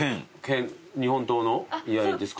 日本刀の居合ですか？